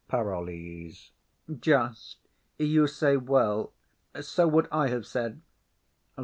PAROLLES. Just; you say well. So would I have said.